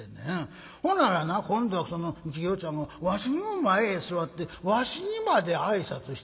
ほならな今度はそのきよちゃんがわしの前へ座ってわしにまで挨拶して。